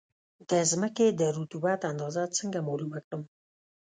د ځمکې د رطوبت اندازه څنګه معلومه کړم؟